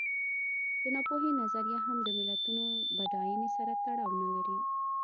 د ناپوهۍ نظریه هم د ملتونو بډاینې سره تړاو نه لري.